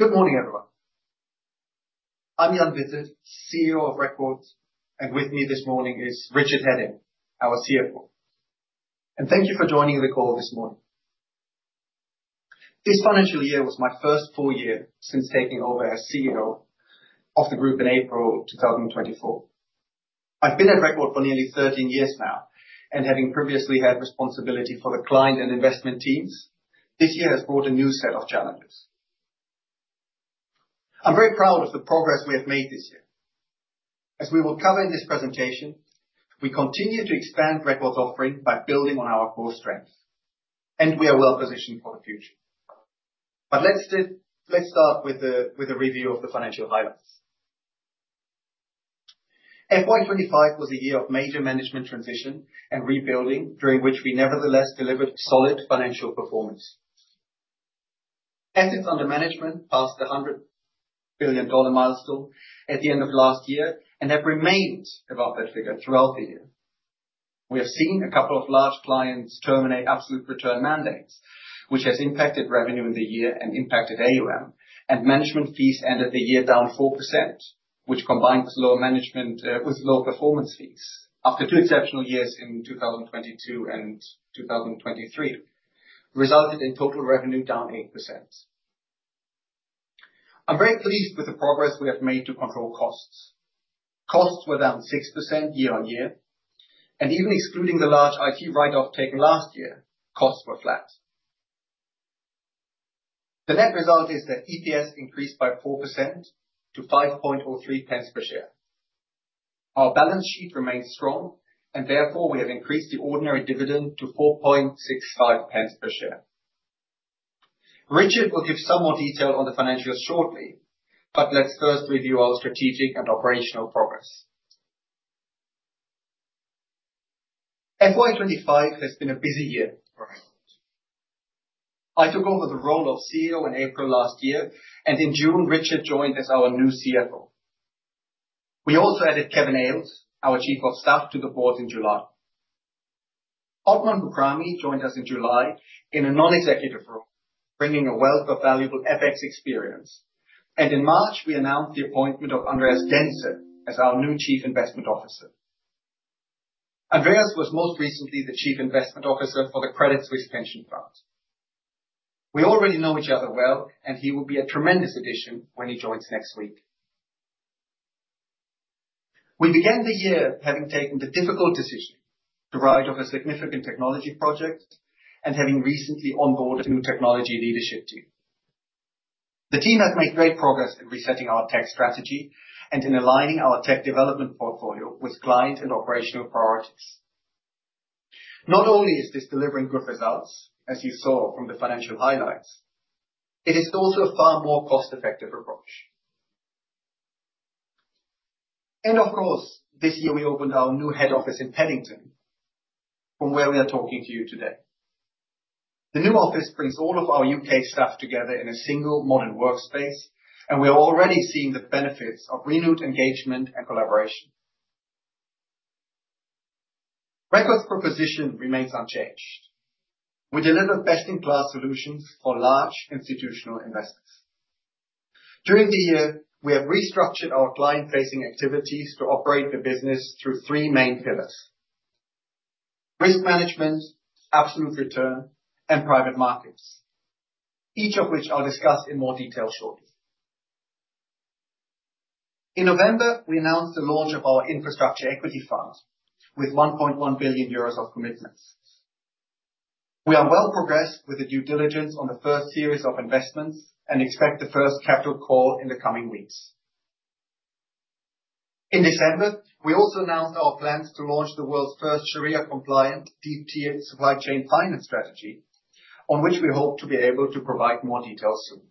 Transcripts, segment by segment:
Good morning, everyone. I'm Jan Vincent, CEO of Record, and with me this morning is Richard Heading, our CFO. Thank you for joining the call this morning. This financial year was my first full year since taking over as CEO of the group in April 2024. I've been at Record for nearly 13 years now, and having previously had responsibility for the client and investment teams, this year has brought a new set of challenges. I'm very proud of the progress we have made this year. As we will cover in this presentation, we continue to expand Record's offering by building on our core strengths, and we are well positioned for the future. Let's start with a review of the financial highlights. FY25 was a year of major management transition and rebuilding, during which we nevertheless delivered solid financial performance. Assets under management passed the $100 billion milestone at the end of last year and have remained above that figure throughout the year. We have seen a couple of large clients terminate absolute return mandates, which has impacted revenue in the year and impacted AUM. Management fees ended the year down 4%, which combined with low performance fees after two exceptional years in 2022 and 2023 resulted in total revenue down 8%. I'm very pleased with the progress we have made to control costs. Costs were down 6% year on year, and even excluding the large IT write-off taken last year, costs were flat. The net result is that EPS increased by 4% to 5.03 pence per share. Our balance sheet remains strong, and therefore we have increased the ordinary dividend to 4.65 pence per share. Richard will give some more detail on the financials shortly, but let's first review our strategic and operational progress. FY25 has been a busy year for Record. I took over the role of CEO in April last year, and in June, Richard joined as our new CFO. We also added Kevin Aylesh, our Chief of Staff, to the board in July. Otman Bukhami joined us in July in a non-executive role, bringing a wealth of valuable FX experience. In March, we announced the appointment of Andreas Genzer as our new Chief Investment Officer. Andreas was most recently the Chief Investment Officer for the Credit Suisse Pension Fund. We already know each other well, and he will be a tremendous addition when he joins next week. We began the year having taken the difficult decision to write off a significant technology project and having recently onboarded a new technology leadership team. The team has made great progress in resetting our tech strategy and in aligning our tech development portfolio with client and operational priorities. Not only is this delivering good results, as you saw from the financial highlights, it is also a far more cost-effective approach. Of course, this year we opened our new head office in Paddington, from where we are talking to you today. The new office brings all of our U.K. staff together in a single modern workspace, and we are already seeing the benefits of renewed engagement and collaboration. Record's proposition remains unchanged. We deliver best-in-class solutions for large institutional investors. During the year, we have restructured our client-facing activities to operate the business through three main pillars: risk management, absolute return, and private markets, each of which I'll discuss in more detail shortly. In November, we announced the launch of our Infrastructure Equity Fund with 1.1 billion euros of commitments. We are well progressed with the due diligence on the first series of investments and expect the first capital call in the coming weeks. In December, we also announced our plans to launch the world's first Sharia-compliant deep-tier supply chain finance strategy, on which we hope to be able to provide more details soon.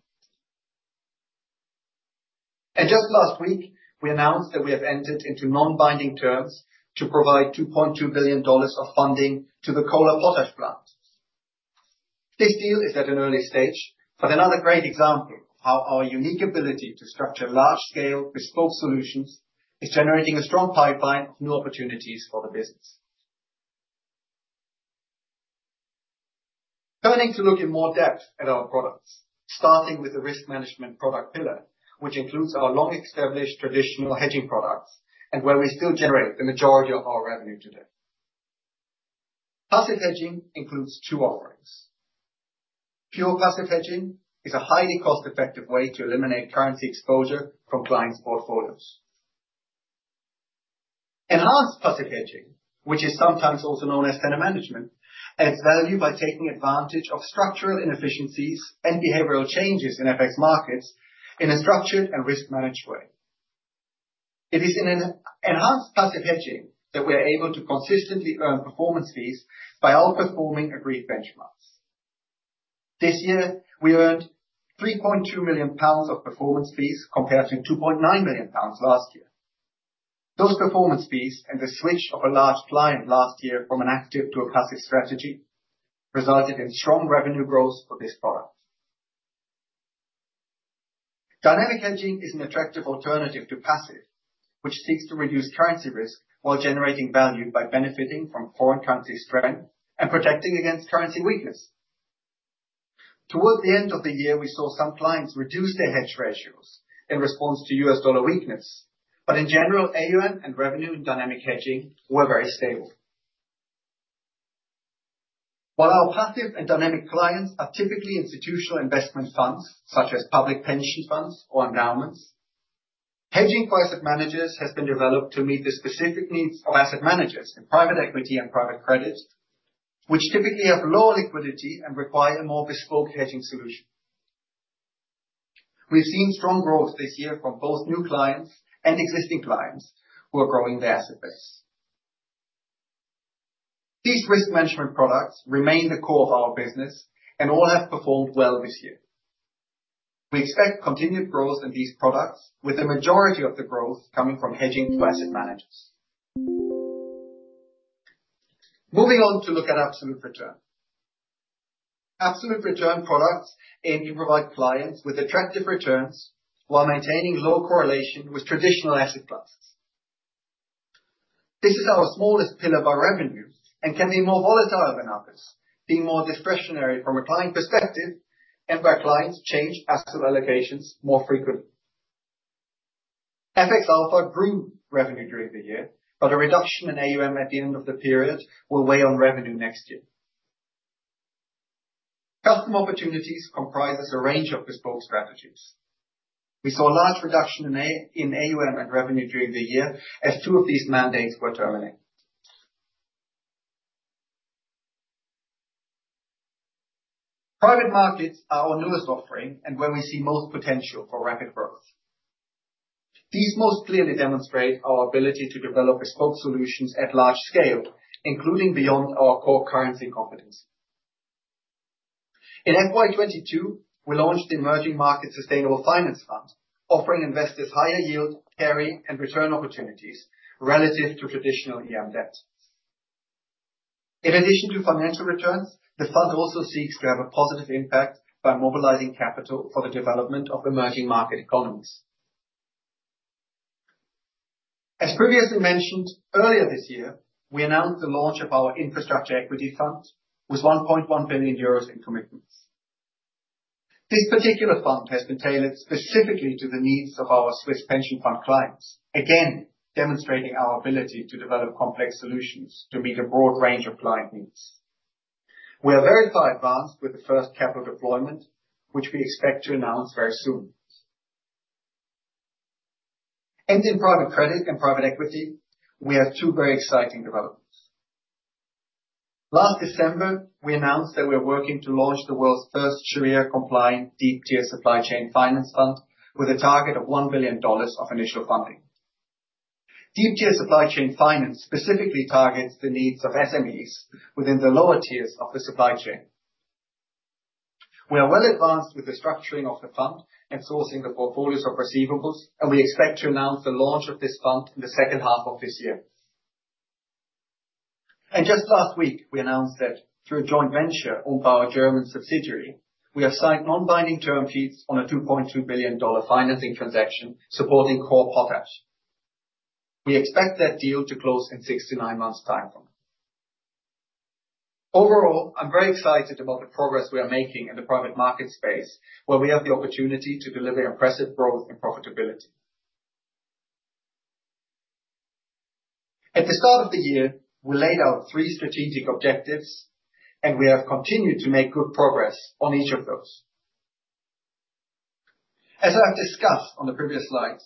Just last week, we announced that we have entered into non-binding terms to provide $2.2 billion of funding to the Kohler Potash plant. This deal is at an early stage, but another great example of how our unique ability to structure large-scale bespoke solutions is generating a strong pipeline of new opportunities for the business. Turning to look in more depth at our products, starting with the risk management product pillar, which includes our long-established traditional hedging products and where we still generate the majority of our revenue today. Passive hedging includes two offerings. Pure passive hedging is a highly cost-effective way to eliminate currency exposure from clients' portfolios. Enhanced passive hedging, which is sometimes also known as tenor management, adds value by taking advantage of structural inefficiencies and behavioral changes in FX markets in a structured and risk-managed way. It is in enhanced passive hedging that we are able to consistently earn performance fees by outperforming agreed benchmarks. This year, we earned 3.2 million pounds of performance fees compared to 2.9 million pounds last year. Those performance fees and the switch of a large client last year from an active to a passive strategy resulted in strong revenue growth for this product. Dynamic hedging is an attractive alternative to passive, which seeks to reduce currency risk while generating value by benefiting from foreign currency strength and protecting against currency weakness. Towards the end of the year, we saw some clients reduce their hedge ratios in response to US dollar weakness, but in general, AUM and revenue in dynamic hedging were very stable. While our passive and dynamic clients are typically institutional investment funds, such as public pension funds or endowments, hedging for asset managers has been developed to meet the specific needs of asset managers in private equity and private credit, which typically have lower liquidity and require a more bespoke hedging solution. We've seen strong growth this year from both new clients and existing clients who are growing their asset base. These risk management products remain the core of our business and all have performed well this year. We expect continued growth in these products, with the majority of the growth coming from hedging to asset managers. Moving on to look at absolute return. Absolute return products aim to provide clients with attractive returns while maintaining low correlation with traditional asset classes. This is our smallest pillar by revenue and can be more volatile than others, being more discretionary from a client perspective and where clients change asset allocations more frequently. FX Alpha grew revenue during the year, but a reduction in AUM at the end of the period will weigh on revenue next year. Custom opportunities comprise a range of bespoke strategies. We saw a large reduction in AUM and revenue during the year as two of these mandates were terminated. Private markets are our newest offering and where we see most potential for rapid growth. These most clearly demonstrate our ability to develop bespoke solutions at large scale, including beyond our core currency competency. In FY 2022, we launched the Emerging Markets Sustainable Finance Fund, offering investors higher yield, carry, and return opportunities relative to traditional EM debt. In addition to financial returns, the fund also seeks to have a positive impact by mobilizing capital for the development of emerging market economies. As previously mentioned earlier this year, we announced the launch of our Infrastructure Equity Fund with 1.1 billion euros in commitments. This particular fund has been tailored specifically to the needs of our Swiss pension fund clients, again demonstrating our ability to develop complex solutions to meet a broad range of client needs. We are very far advanced with the first capital deployment, which we expect to announce very soon. In private credit and private equity, we have two very exciting developments. Last December, we announced that we are working to launch the world's first Sharia-compliant deep-tier supply chain finance fund with a target of $1 billion of initial funding. Deep-tier supply chain finance specifically targets the needs of SMEs within the lower tiers of the supply chain. We are well advanced with the structuring of the fund and sourcing the portfolios of receivables, and we expect to announce the launch of this fund in the second half of this year. Just last week, we announced that through a joint venture owned by our German subsidiary, we have signed non-binding term sheets on a $2.2 billion financing transaction supporting Kohler Potash. We expect that deal to close in six to nine months' time frame. Overall, I'm very excited about the progress we are making in the private market space, where we have the opportunity to deliver impressive growth and profitability. At the start of the year, we laid out three strategic objectives, and we have continued to make good progress on each of those. As I've discussed on the previous slides,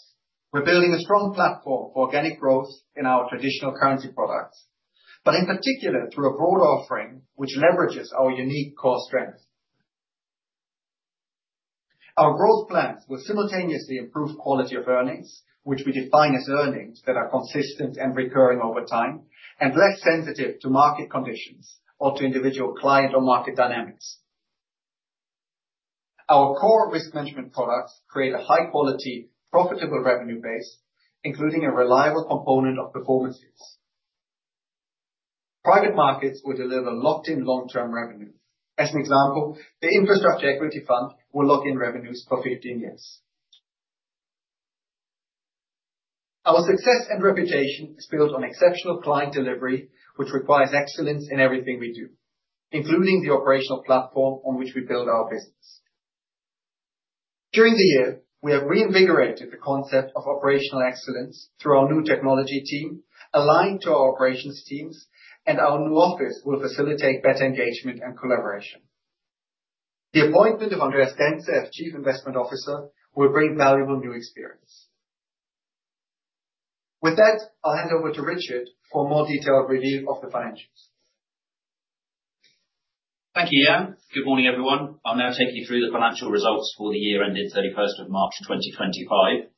we're building a strong platform for organic growth in our traditional currency products, but in particular through a broad offering which leverages our unique core strength. Our growth plans will simultaneously improve quality of earnings, which we define as earnings that are consistent and recurring over time and less sensitive to market conditions or to individual client or market dynamics. Our core risk management products create a high-quality, profitable revenue base, including a reliable component of performance fees. Private markets will deliver locked-in long-term revenue. As an example, the Infrastructure Equity Fund will lock in revenues for 15 years. Our success and reputation is built on exceptional client delivery, which requires excellence in everything we do, including the operational platform on which we build our business. During the year, we have reinvigorated the concept of operational excellence through our new technology team, aligned to our operations teams, and our new office will facilitate better engagement and collaboration. The appointment of Andreas Genzer as Chief Investment Officer will bring valuable new experience. With that, I'll hand over to Richard for a more detailed review of the financials. Thank you, Jan. Good morning, everyone. I'll now take you through the financial results for the year ended 31st of March 2025.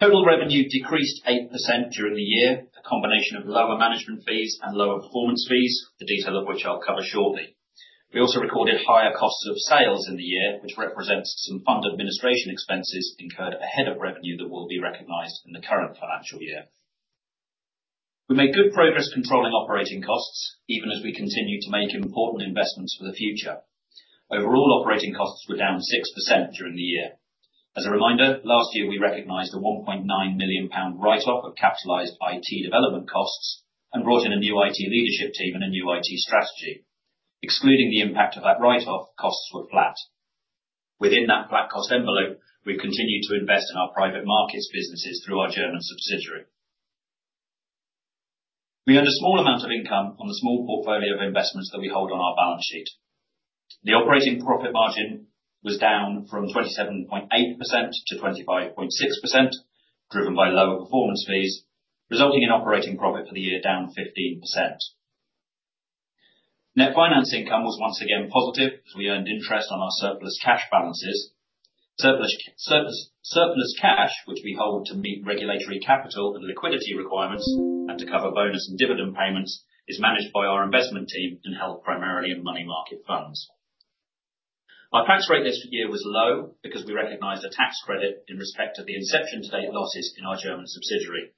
Total revenue decreased 8% during the year, a combination of lower management fees and lower performance fees, the detail of which I'll cover shortly. We also recorded higher costs of sales in the year, which represents some fund administration expenses incurred ahead of revenue that will be recognized in the current financial year. We made good progress controlling operating costs, even as we continue to make important investments for the future. Overall, operating costs were down 6% during the year. As a reminder, last year we recognized a 1.9 million pound write-off of capitalized IT development costs and brought in a new IT leadership team and a new IT strategy. Excluding the impact of that write-off, costs were flat. Within that flat cost envelope, we've continued to invest in our private markets businesses through our German subsidiary. We earn a small amount of income on the small portfolio of investments that we hold on our balance sheet. The operating profit margin was down from 27.8% to 25.6%, driven by lower performance fees, resulting in operating profit for the year down 15%. Net finance income was once again positive as we earned interest on our surplus cash balances. Surplus cash, which we hold to meet regulatory capital and liquidity requirements and to cover bonus and dividend payments, is managed by our investment team and held primarily in money market funds. Our tax rate this year was low because we recognized a tax credit in respect of the inception stage losses in our German subsidiary.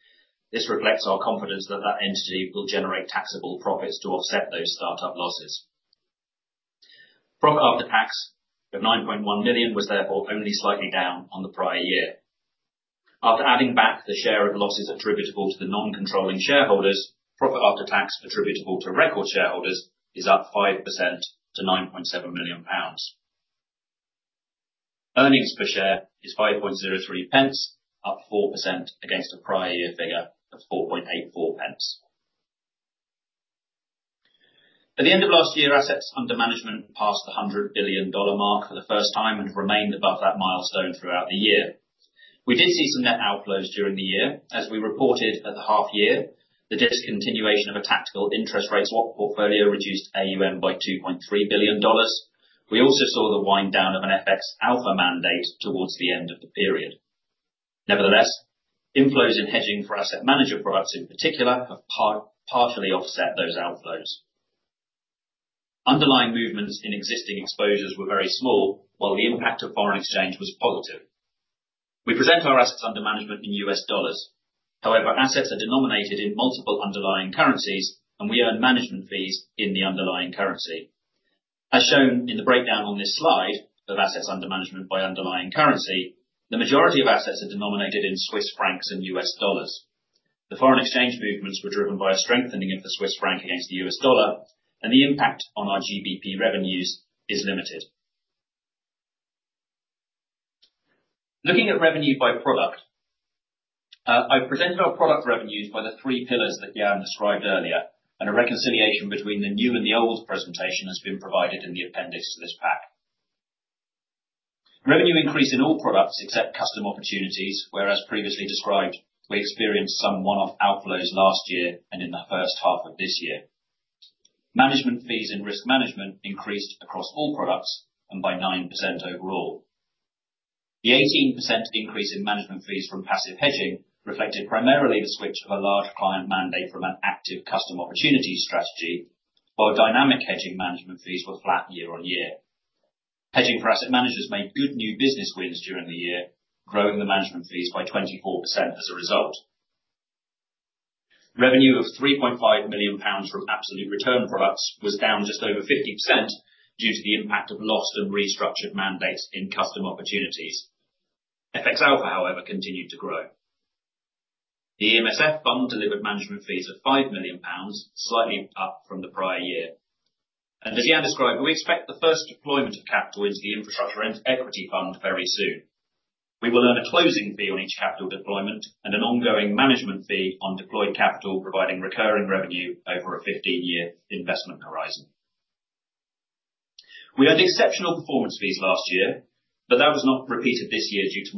This reflects our confidence that that entity will generate taxable profits to offset those startup losses. Profit after tax, of 9.1 million, was therefore only slightly down on the prior year. After adding back the share of losses attributable to the non-controlling shareholders, profit after tax attributable to Record shareholders is up 5% to 9.7 million pounds. Earnings per share is 5.03, up 4% against a prior year figure of 4.84. At the end of last year, assets under management passed the $100 billion mark for the first time and remained above that milestone throughout the year. We did see some net outflows during the year. As we reported at the half year, the discontinuation of a tactical interest rate swap portfolio reduced AUM by $2.3 billion. We also saw the wind down of an FX Alpha mandate towards the end of the period. Nevertheless, inflows in hedging for asset manager products in particular have partially offset those outflows. Underlying movements in existing exposures were very small, while the impact of foreign exchange was positive. We present our assets under management in US dollars. However, assets are denominated in multiple underlying currencies, and we earn management fees in the underlying currency. As shown in the breakdown on this slide of assets under management by underlying currency, the majority of assets are denominated in Swiss francs and US dollars. The foreign exchange movements were driven by a strengthening of the Swiss franc against the US dollar, and the impact on our GBP revenues is limited. Looking at revenue by product, I've presented our product revenues by the three pillars that Jan described earlier, and a reconciliation between the new and the old presentation has been provided in the appendix to this pack. Revenue increased in all products except custom opportunities, where as previously described, we experienced some one-off outflows last year and in the first half of this year. Management fees in risk management increased across all products by 9% overall. The 18% increase in management fees from passive hedging reflected primarily the switch of a large client mandate from an active custom opportunity strategy, while dynamic hedging management fees were flat year on year. Hedging for asset managers made good new business wins during the year, growing the management fees by 24% as a result. Revenue of 3.5 million pounds from absolute return products was down just over 50% due to the impact of lost and restructured mandates in custom opportunities. FX Alpha, however, continued to grow. The EMSF fund delivered management fees of 5 million pounds, slightly up from the prior year. As Jan described, we expect the first deployment of capital into the Infrastructure Equity Fund very soon. We will earn a closing fee on each capital deployment and an ongoing management fee on deployed capital, providing recurring revenue over a 15-year investment horizon. We earned exceptional performance fees last year, but that was not repeated this year due to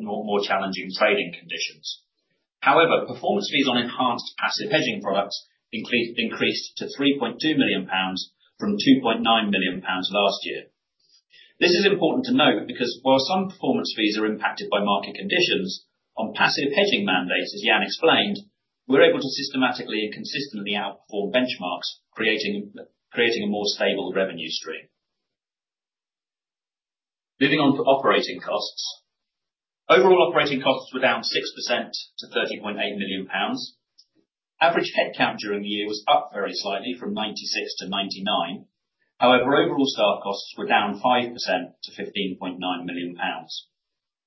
more challenging trading conditions. However, performance fees on enhanced passive hedging products increased to 3.2 million pounds from 2.9 million pounds last year. This is important to note because while some performance fees are impacted by market conditions, on passive hedging mandates, as Jan explained, we're able to systematically and consistently outperform benchmarks, creating a more stable revenue stream. Moving on to operating costs. Overall operating costs were down 6% to 30.8 million pounds. Average headcount during the year was up very slightly from 96 to 99. However, overall staff costs were down 5% to 15.9 million pounds.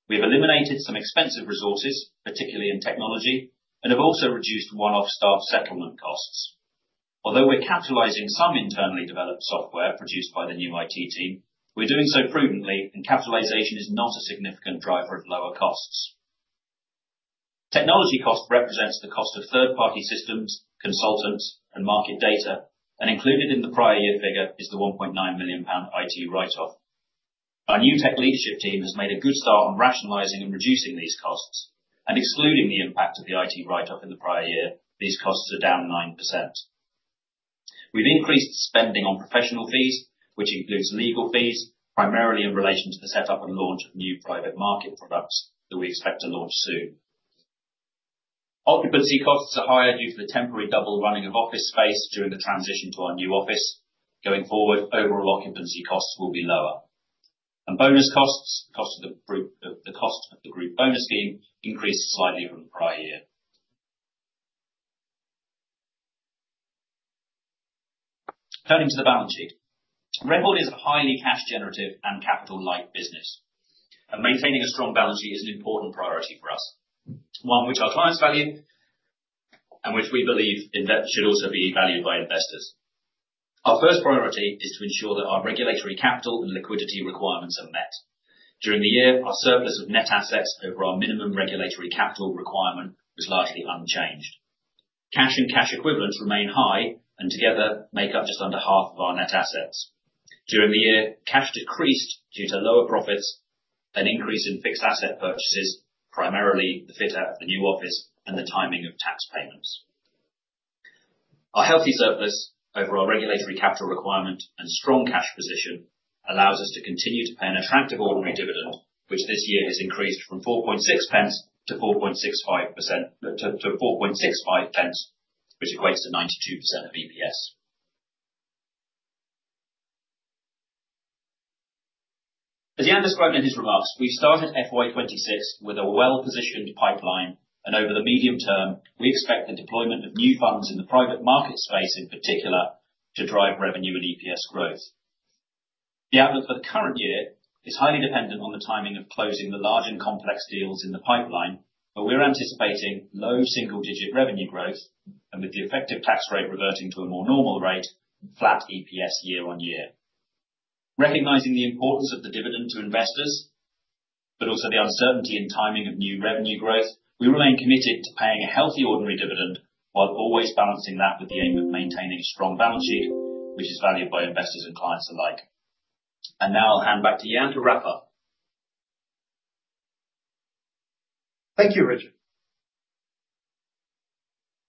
We have eliminated some expensive resources, particularly in technology, and have also reduced one-off staff settlement costs. Although we're capitalizing some internally developed software produced by the new IT team, we're doing so prudently, and capitalization is not a significant driver of lower costs. Technology cost represents the cost of third-party systems, consultants, and market data, and included in the prior year figure is the 1.9 million pound IT write-off. Our new tech leadership team has made a good start on rationalizing and reducing these costs, and excluding the impact of the IT write-off in the prior year, these costs are down 9%. We've increased spending on professional fees, which includes legal fees, primarily in relation to the setup and launch of new private market products that we expect to launch soon. Occupancy costs are higher due to the temporary double running of office space during the transition to our new office. Going forward, overall occupancy costs will be lower. Bonus costs, the cost of the group bonus scheme, increased slightly from the prior year. Turning to the balance sheet, Record is a highly cash-generative and capital-light business, and maintaining a strong balance sheet is an important priority for us, one which our clients value and which we believe should also be valued by investors. Our first priority is to ensure that our regulatory capital and liquidity requirements are met. During the year, our surplus of net assets over our minimum regulatory capital requirement was largely unchanged. Cash and cash equivalents remain high and together make up just under half of our net assets. During the year, cash decreased due to lower profits, an increase in fixed asset purchases, primarily the fit out of the new office and the timing of tax payments. Our healthy surplus over our regulatory capital requirement and strong cash position allows us to continue to pay an attractive ordinary dividend, which this year has increased from GBP 4.6 to 4.65, which equates to 92% of EPS. As Jan described in his remarks, we've started FY2026 with a well-positioned pipeline, and over the medium term, we expect the deployment of new funds in the private market space in particular to drive revenue and EPS growth. The outlook for the current year is highly dependent on the timing of closing the large and complex deals in the pipeline, but we're anticipating low single-digit revenue growth and, with the effective tax rate reverting to a more normal rate, flat EPS year on year. Recognizing the importance of the dividend to investors, but also the uncertainty in timing of new revenue growth, we remain committed to paying a healthy ordinary dividend while always balancing that with the aim of maintaining a strong balance sheet, which is valued by investors and clients alike.I will now hand back to Jan to wrap up. Thank you, Richard.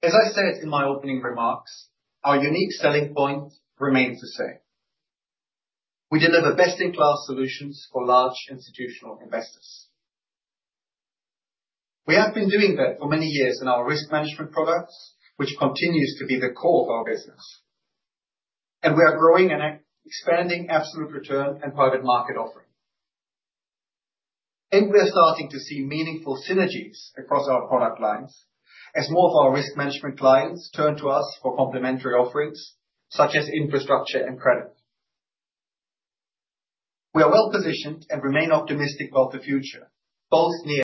As I said in my opening remarks, our unique selling point remains the same. We deliver best-in-class solutions for large institutional investors. We have been doing that for many years in our risk management products, which continues to be the core of our business. We are growing and expanding absolute return and private market offering. We are starting to see meaningful synergies across our product lines as more of our risk management clients turn to us for complementary offerings, such as infrastructure and credit. We are well-positioned and remain optimistic about the future, both.